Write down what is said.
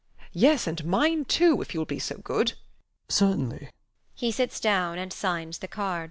Yes; and mine too, if you will be so good. LOUIS. Certainly. [He sits down and signs the cards].